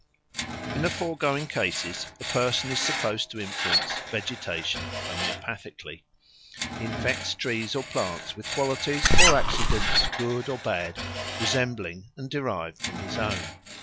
In the foregoing cases a person is supposed to influence vegetation homoeopathically. He infects trees or plants with qualities or accidents, good or bad, resembling and derived from his own.